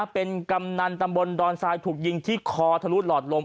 เป็นกำนันตำบลดอนทรายถูกยิงที่คอทะลุหลอดลม